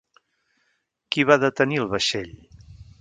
Qui va detenir el vaixell?